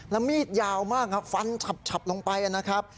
แล้วมีดยาวมากฟันฉับลงไปนะครับ